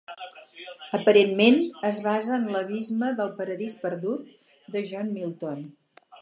Aparentment, es basa en l'abisme del "Paradís perdut" de John Milton.